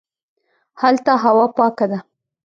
هلته هوا پاکه ده